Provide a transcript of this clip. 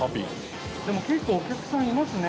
でも、結構お客さんいますね